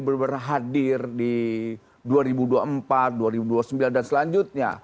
berhadir di dua ribu dua puluh empat dua ribu dua puluh sembilan dan selanjutnya